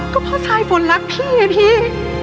ก็เพราะสายฝนรักพี่ไงพี่